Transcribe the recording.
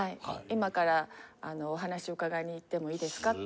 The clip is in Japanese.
今からお話伺いに行っても良いですかって。